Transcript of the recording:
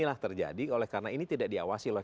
inilah terjadi oleh karena ini tidak diawasi oleh